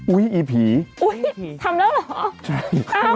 อุ้ยอีผีอุ้ยทำแล้วเหรอตัวเฮีย